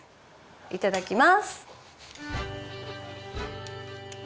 いただきます。